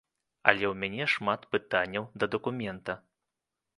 Але ў мяне шмат пытанняў да дакумента.